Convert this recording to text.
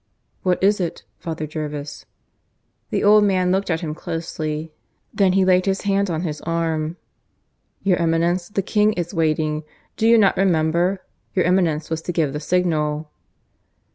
"What is it, Father Jervis? ..." The old man looked at him closely; then he laid his hand on his arm. "Your Eminence, the King is waiting. Do you not remember? Your Eminence was to give the signal."